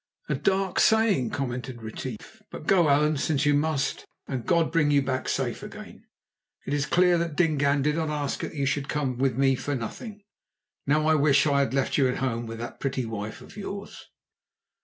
] "A dark saying," commented Retief. "But go, Allan, since you must, and God bring you back safe again. It is clear that Dingaan did not ask that you should come with me for nothing. Now I wish I had left you at home with that pretty wife of yours."